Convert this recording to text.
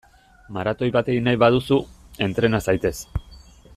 Maratoi bat egin nahi baduzu, entrena zaitez!